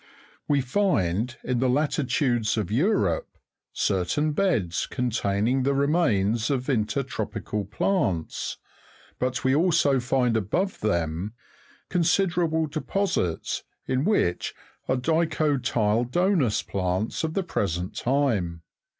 We find, in the latitudes of Europe, certain beds containing the remains of intertropieal plants, but we also find above them considerable deposits in which are dicotyle'donous plants of the present time.